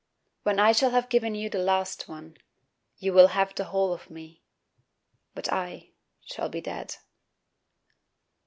When I shall have given you the last one, You will have the whole of me, But I shall be dead.